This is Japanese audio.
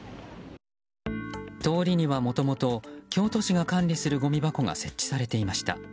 通りには、もともと京都市が監視するごみ箱が設置されていました。